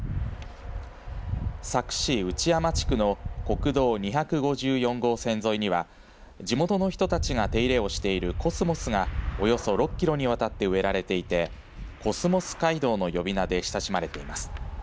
佐久市内山地区の国道２５４号線沿いには地元の人たちが手入れをしているコスモスがおよそ６キロにわたって植えられていてコスモス街道の呼び名で親しまれています。